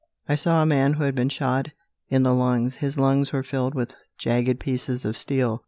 I saw a man who had been shot in the lungs. His lungs were filled with jagged pieces of steel.